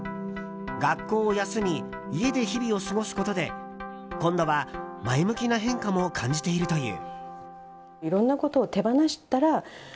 学校を休み家で日々を過ごすことで今度は前向きな変化も感じているという。